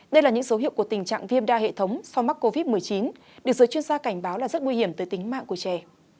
đây là những dấu hiệu của tình trạng viêm đa hệ thống sau mắc covid một mươi chín được giới chuyên gia cảnh báo là rất nguy hiểm tới tính mạng của trẻ